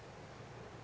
carilah jalan keluar